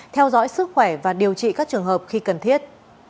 theo dõi sức khỏe và điều trị các trường hợp khi cần thiết